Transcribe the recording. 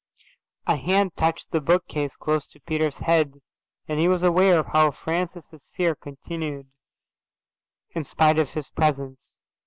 A hand touched the book case close to Peter's head and he was aware of how Francis's fear continued in spite of his presence.